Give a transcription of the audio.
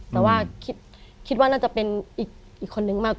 แต่ว่าคิดว่าน่าจะเป็นอีกคนนึงมากกว่า